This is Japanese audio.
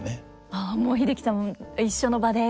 ああもう英樹さんも一緒の場で？